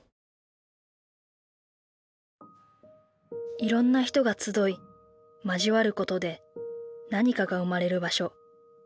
いろんな人が集い交わることで何かが生まれる場所。